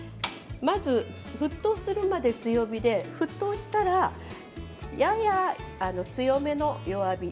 沸騰するまで強火で沸騰したらやや強めの弱火。